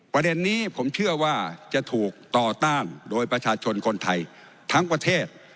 ประเด็นนี้ผมเชื่อว่าจะถูกต่อต้านโดยประชาชนคนไทยทั้งประเทศ